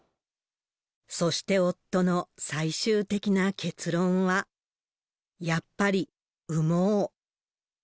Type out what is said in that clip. そして、夫の最終的な結論は、やっぱり産もう。